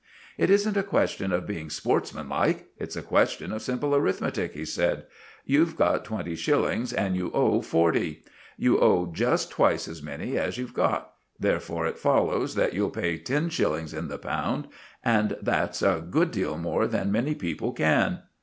"It isn't a question of being sportsmanlike, it's a question of simple arithmetic," he said. "You've got twenty shillings, and you owe forty; you owe just twice as many as you've got; therefore it follows that you'll pay ten shillings in the pound; and that's a good deal more than many people can."